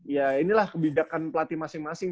ya inilah kebijakan pelatih masing masing